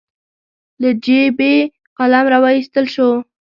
له جېبې قلم راواييستل شو.